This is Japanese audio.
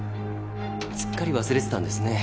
すっかり忘れてたんですね。